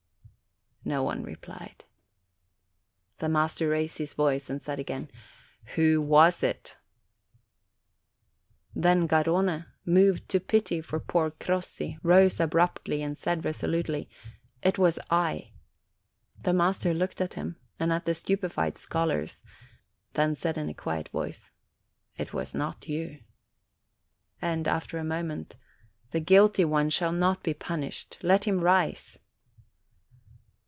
No one replied. The master raised his voice, and said again, "Who was it?" Then Garrone, moved to pity for poor Crossi, rose abruptly and said resolutely, "It was I." The master looked at him, and at the stupefied scholars; then said in a quiet voice, "It was not you." And, after a moment: "The guilty one shall not be punished. Let him rise!"